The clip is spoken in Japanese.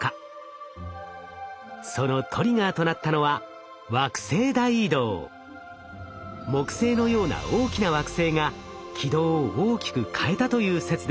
そのトリガーとなったのは木星のような大きな惑星が軌道を大きく変えたという説です。